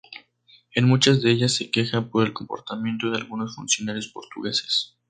En muchas de ellas se queja por el comportamiento de algunos funcionarios portugueses.